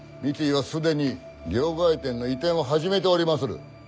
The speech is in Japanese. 三井は既に両替店の移転を始めておりまする。